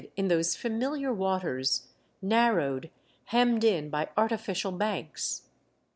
135 in those familiar waters, narrowed, hemmed in by artificial banks.